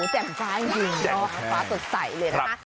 แจ่มฟ้าจริงวัดสูงแจ่มฟ้าสดใสเลยนะครับแจ่ม